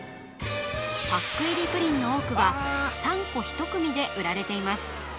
パック入りプリンの多くは３個１組で売られています